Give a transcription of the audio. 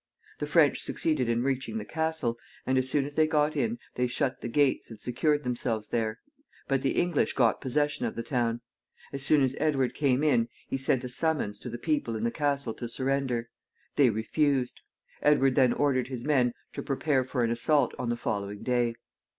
The French succeeded in reaching the castle, and, as soon as they got in, they shut the gates and secured themselves there, but the English got possession of the town. As soon as Edward came in, he sent a summons to the people in the castle to surrender. They refused. Edward then ordered his men to prepare for an assault on the following day.